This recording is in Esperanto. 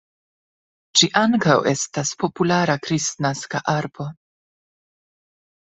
Ĝi ankaŭ estas populara kristnaska arbo.